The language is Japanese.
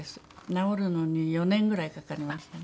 治るのに４年ぐらいかかりましたね。